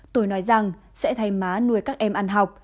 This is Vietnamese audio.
tôi nói rằng sẽ thay má nuôi các em ăn học